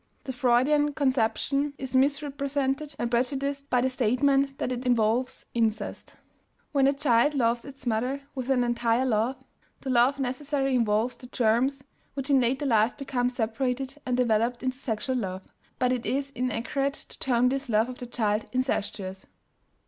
The Freudian conception is misrepresented and prejudiced by the statement that it involves "incest." When a child loves its mother with an entire love, that love necessarily involves the germs which in later life become separated and developed into sexual love, but it is inaccurate to term this love of the child "incestuous."